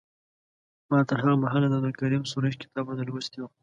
ما تر هغه مهاله د عبدالکریم سروش کتابونه لوستي وو.